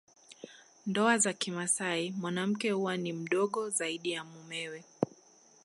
Ndoa za kimasai mwanamke huwa ni mdogo zaidi ya mumewe